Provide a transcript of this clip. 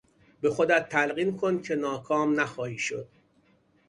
به خودت تلقین کن که ناکام نخواهی شد.